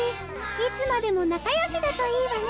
いつまでも仲よしだといいわね！